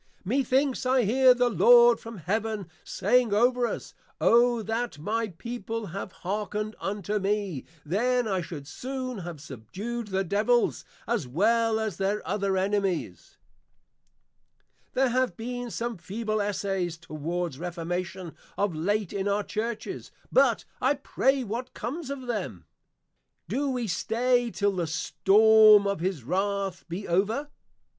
Methinks I hear the Lord from Heaven saying over us, O that my People had hearkened unto me; then I should soon have subdued the Devils, as well as their other Enemies! There have been some feeble Essays towards Reformation of late in our Churches; but, I pray what comes of them? Do we stay till the Storm of his Wrath be over?